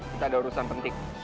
kita ada urusan penting